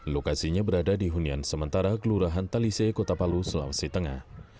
lokasinya berada di hunian sementara kelurahan talise kota palu sulawesi tengah